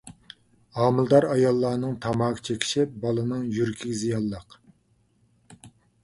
ھامىلىدار ئاياللارنىڭ تاماكا چېكىشى بالىنىڭ يۈرىكىگە زىيانلىق.